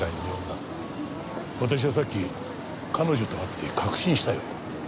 私はさっき彼女と会って確信したよ。